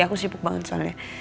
aku sibuk banget soalnya